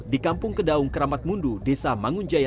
di kampung kedaung keramat mundu desa mangunjaya